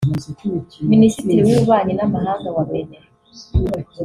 Minisitiri w’Ububanyi n’Amahanga wa Benin